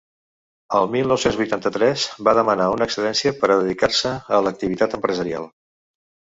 El mil nou-cents vuitanta-tres va demanar una excedència per a dedicar-se a “l’activitat empresarial”.